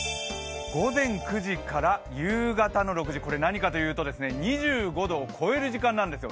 午前９時から夕方の６時これ何かというと２５度を超える時間なんですよ。